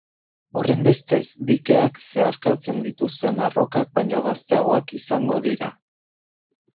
Horrenbestez dikeak, zeharkatzen dituzten arrokak baino gazteagoak izango dira.